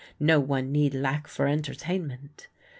No one need lack for entertainment.